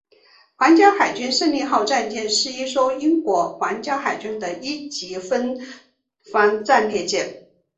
皇家海军胜利号战舰是一艘英国皇家海军的一级风帆战列舰。